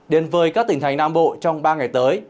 đến với các tỉnh thành nam bộ trong ba ngày tới